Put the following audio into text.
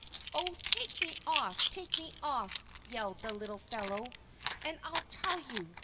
"Oh, take me off! Take me off!" yelled the little fellow, "and I'll tell you!